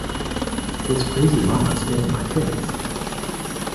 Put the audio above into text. This crazy llama spit in my face.